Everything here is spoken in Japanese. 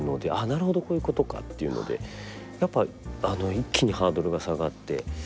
なるほどこういうことかというのでやっぱり一気にハードルが下がって。